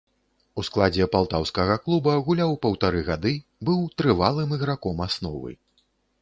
У складзе палтаўскага клуба гуляў паўтары гады, быў трывалым іграком асновы.